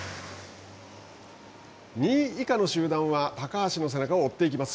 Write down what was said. ２位以下の集団は高橋の背中を追っていきます。